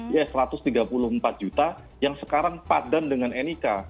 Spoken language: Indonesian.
ya satu ratus tiga puluh empat juta yang sekarang padan dengan nik